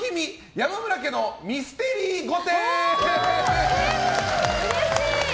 山村家のミステリー御殿！